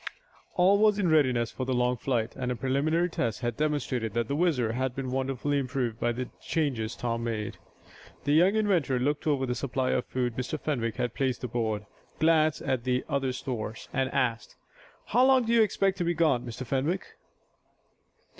All was in readiness for the long flight, and a preliminary test had demonstrated that the WHIZZER had been wonderfully improved by the changes Tom made. The young inventor looked over the supply of food Mr. Fenwick had placed aboard, glanced at the other stores, and asked: "How long do you expect to be gone, Mr. Fenwick?"